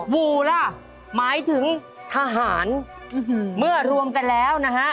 วูล่ะหมายถึงทหารเมื่อรวมกันแล้วนะฮะ